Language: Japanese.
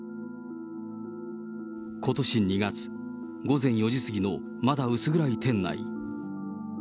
ことし２月、午前４時過ぎのまだ薄暗い店内。